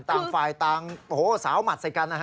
ต่างฝ่ายต่างโอ้โหสาวหมัดใส่กันนะฮะ